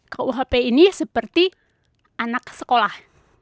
kuhp ini seperti anak sekolah